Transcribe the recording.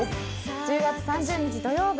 １０月３０日土曜日